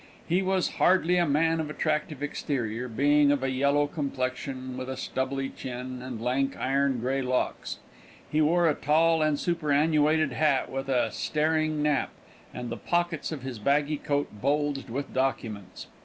He was hardly a man of attractive exterior, being of a yellow complexion, with a stubbly chin, and lank iron grey locks. He wore a tall and superannuated hat with a staring nap, and the pockets of his baggy coat bulged with documents.